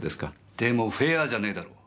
でもフェアじゃねえだろ。